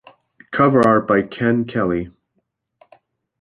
Cover art by Ken Kelly.